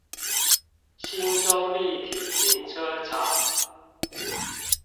興中立體停車場